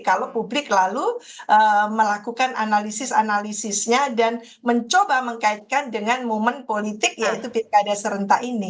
kalau publik lalu melakukan analisis analisisnya dan mencoba mengkaitkan dengan momen politik yaitu pilkada serentak ini